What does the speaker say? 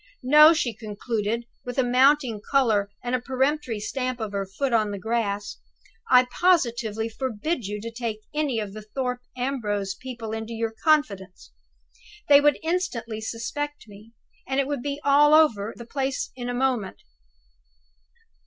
No!" she concluded, with a mounting color and a peremptory stamp of her foot on the grass. "I positively forbid you to take any of the Thorpe Ambrose people into your confidence. They would instantly suspect me, and it would be all over the place in a moment.